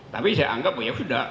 tapi saya anggap ya sudah